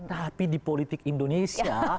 tapi di politik indonesia